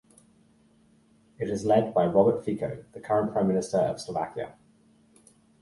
It is led by Robert Fico, the current Prime Minister of Slovakia.